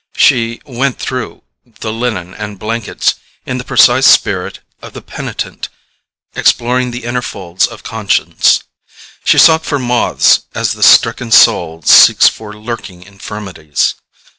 She "went through" the linen and blankets in the precise spirit of the penitent exploring the inner folds of conscience; she sought for moths as the stricken soul seeks for lurking infirmities.